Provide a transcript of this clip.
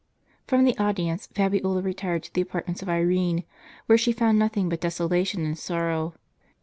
From the audience Fabiola retired to the apartments of Irene, where she found nothing but desolation and sorrow.